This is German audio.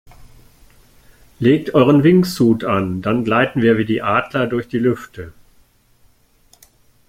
Legt euren Wingsuit an, dann gleiten wir wie die Adler durch die Lüfte!